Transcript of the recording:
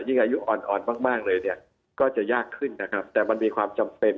อายุอ่อนอ่อนมากเลยเนี่ยก็จะยากขึ้นนะครับแต่มันมีความจำเป็น